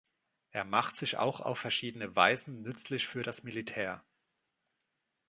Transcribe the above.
Er macht sich auch auf verschiedene Weisen nützlich für das Militär.